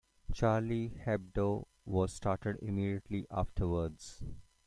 "Charlie Hebdo" was started immediately afterwards.